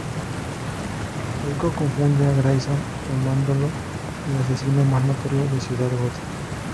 Saiko confunde a Grayson llamándolo el asesino más notorio de Ciudad Gótica.